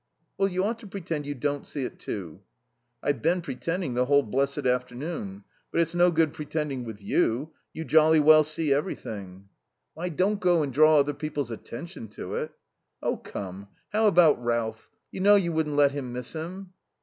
"Well, you ought to pretend you don't see it, too." "I've been pretending the whole blessed afternoon. But it's no good pretending with you. You jolly well see everything." "I don't go and draw other people's attention to it." "Oh, come, how about Ralph? You know you wouldn't let him miss him."